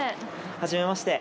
初めまして！